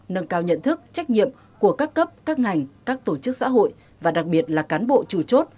nâng cao nhận thức trách nhiệm của các cấp các ngành các tổ chức xã hội và đặc biệt là cán bộ chủ chốt